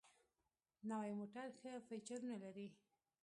نوي موټر ښه فیچرونه لري.